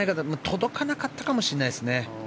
届かなかったかもしれないですね。